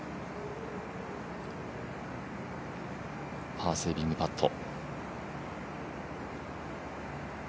パーセービングパット。